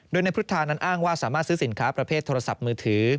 โดยในพุทธานั้นอ้างว่าสามารถซื้อสินค้าประเภทโทรศัพท์มือถือ